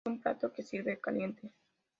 Es un plato que sirve caliente.